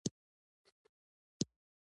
مخ پر ودې هیوادونه د خپل ضعیف دریځ شکایت کوي